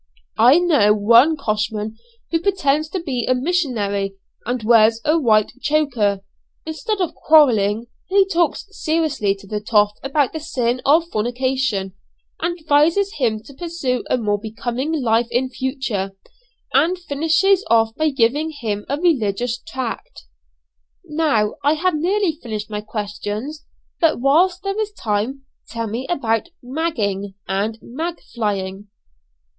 I know one coshman who pretends to be a missionary, and wears a white choker. Instead of quarrelling, he talks seriously to the 'toff' about the sin of fornication, and advises him to pursue a more becoming life in future, and finishes off by giving him a religious tract!" "Now I have nearly finished my questions, but whilst there is time tell me about 'magging,' and 'mag flying.'"